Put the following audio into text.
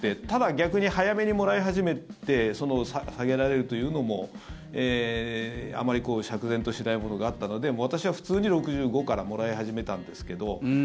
ただ、逆に早めにもらい始めて下げられるというのもあまり釈然としないものがあったので私は普通に６５歳からもらい始めたんですけど。